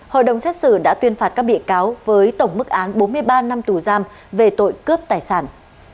hội đồng xét xử đã tuyên phạt các bị cáo với tổng mức án bốn mươi ba năm tù giam về tội cướp tài sản